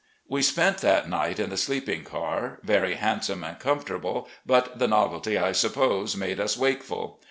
We spent that night in the sleeping car, very handsome and comfortable, but the novelty, I suppose, made us wakeful.